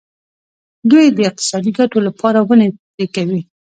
دوی د اقتصادي ګټو لپاره ونې پرې کوي.